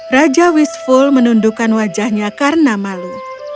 raja wisful menundukkan wajahnya karena malu